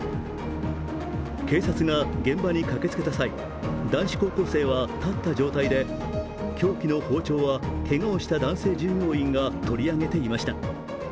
警察が現場に駆けつけた際、男子高校生は立った状態で凶器の包丁はけがをした男性従業員が取り上げていました。